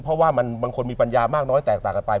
เพราะว่าบางคนมีปัญญามากน้อยแตกต่างกันไป